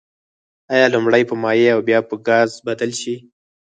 آیا لومړی په مایع او بیا به په ګاز بدل شي؟